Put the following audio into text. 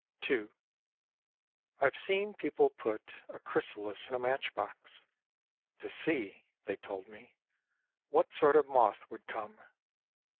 II I've seen people put A chrysalis in a match box, "To see," they told me, "what sort of moth would come."